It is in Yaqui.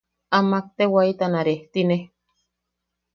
Amak te waitana rejtine.